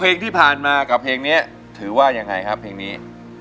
เพลงที่ผ่านมากับเพลงนี้ถือว่ายังไงครับเพลงนี้